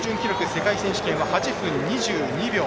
世界選手権は８分２２秒。